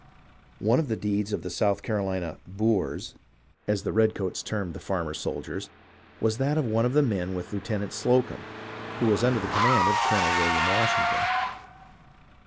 One of the deeds of the South Carolina " boors," as the STORIES OF THE WAR IN THE SOUTH 349 redcoats termed the farmer soldiers, was that of one of the men with Lieutenant Slocumb, who was under the command of Colonel William Washington.